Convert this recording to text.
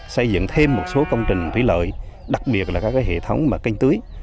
xây dựng thêm một số công trình thủy lợi đặc biệt là các hệ thống canh tưới